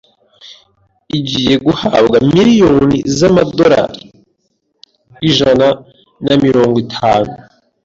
igiye guhabwa miliyoni zama $ ijana namirongo itanu